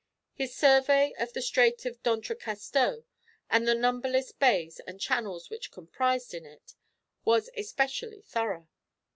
His survey of the strait of D'Entrecasteaux, and the numberless bays and channels comprised in it, was especially thorough.